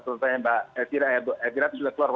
pertanyaan mbak edira edrat sudah keluar